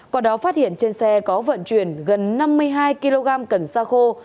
quả đó phát hiện trên xe có vận chuyển gần năm mươi hai kg cần sa khô